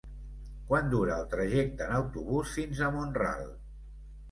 Quant dura el trajecte en autobús fins a Mont-ral?